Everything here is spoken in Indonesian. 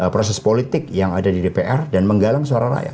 proses politik yang ada di dpr dan menggalang suara rakyat